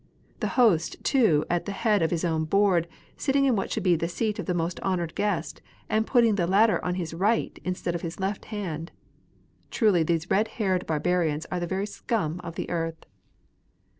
The host, too, at the head of his own board, sitting in what should be the seat of the most honoured guest, and putting the latter on his right instead of his left hand ! Truly these red haired barbarians are the very scum of the earth.